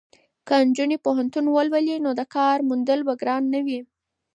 که نجونې پوهنتون ولولي نو د کار موندل به ګران نه وي.